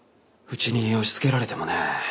うちに押しつけられてもね。